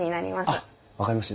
あっ分かりました。